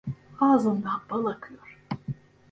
Ağzından bal akıyor.